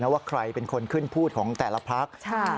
ว่าใครเป็นคนขึ้นพูดของแต่ละพัก